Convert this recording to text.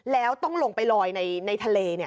แล้วต้องลงไปลอยในทะเล